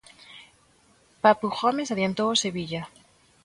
Papu Gómez adiantou o Sevilla.